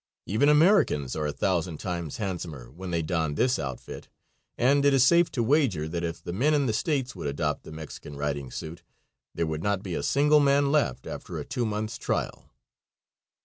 Even Americans are a thousand times handsomer when they don this outfit, and it is safe to wager that if the men in the States would adopt the Mexican riding suit, there would not be a single man left after a two months' trial.